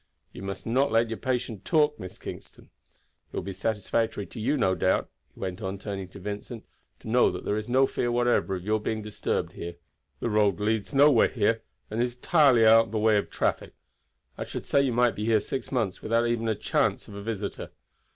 You must not let your patient talk, Miss Kingston. It will be satisfactory to you, no doubt," he went on turning to Vincent, "to know that there is no fear whatever of your being disturbed here. The road leads nowhere, and is entirely out of the way of traffic. I should say you might be here six months without even a chance of a visitor.